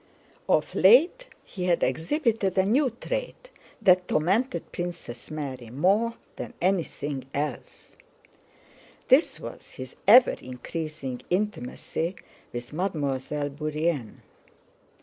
Of late he had exhibited a new trait that tormented Princess Mary more than anything else; this was his ever increasing intimacy with Mademoiselle Bourienne.